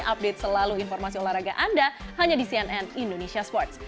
update selalu informasi olahraga anda hanya di cnn indonesia sports